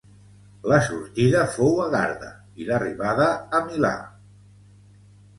La sortida fou a Garda i l'arribada a Milà.